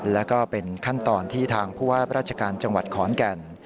แล้วก็เป็นขั้นตอนที่ทางผู้ว่าราชการจังหวัดขอนแก่น